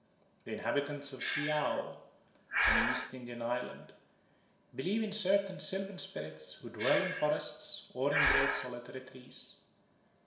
The inhabitants of Siaoo, an East Indian island, believe in certain sylvan spirits who dwell in forests or in great solitary trees.